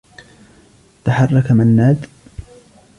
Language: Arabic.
تحرّك منّاد.